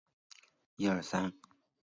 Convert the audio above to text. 黄道周墓的历史年代为清。